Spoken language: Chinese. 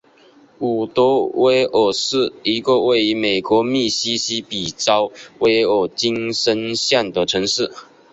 伍德维尔是一个位于美国密西西比州威尔金森县的城市。